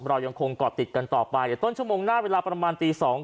เรายังคงเกาะติดกันต่อไปเดี๋ยวต้นชั่วโมงหน้าเวลาประมาณตีสอง